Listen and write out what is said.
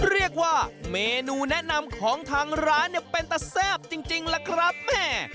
เรียกว่าเมนูแนะนำของทางร้านเนี่ยเป็นแต่แซ่บจริงล่ะครับแม่